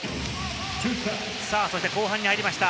そして後半に入りました。